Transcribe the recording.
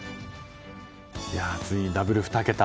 ついにダブル２桁。